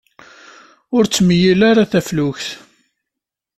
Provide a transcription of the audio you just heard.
Ur ttmeyyil ara taflukt.